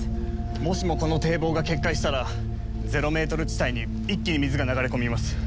もしもこの堤防が決壊したらゼロメートル地帯に一気に水が流れ込みます。